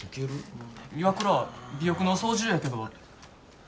岩倉尾翼の操縦やけど。